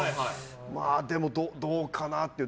でも、どうかなっていう。